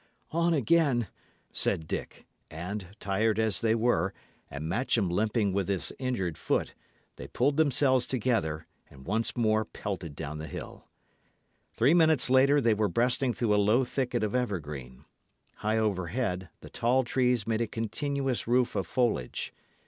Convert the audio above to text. "On again," said Dick; and, tired as they were, and Matcham limping with his injured foot, they pulled themselves together, and once more pelted down the hill. Three minutes later, they were breasting through a low thicket of evergreen. High overhead, the tall trees made a continuous roof of foliage.